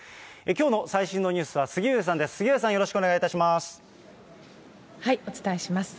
きょうの最新のニュースは杉上さんです。